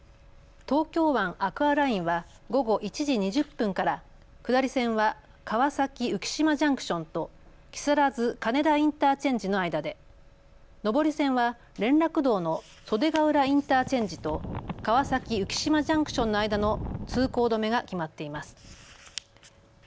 東京湾アクアラインは午後１時２０分から下り線は川崎浮島ジャンクションと木更津金田インターチェンジの間で、上り線は連絡道の袖ヶ浦インターチェンジと川崎浮島ジャンクションの間、通行止めとなっています。